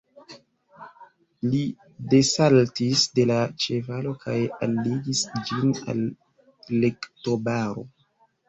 Li desaltis de la ĉevalo kaj alligis ĝin al plektobaro.